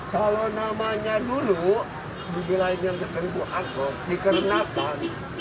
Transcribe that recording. kalau namanya dulu di jelain yang ke seribu angkot di kerenatan